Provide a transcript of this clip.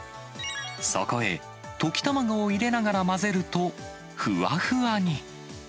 そこへ、溶き卵を入れながら混ぜると、ふわふわに。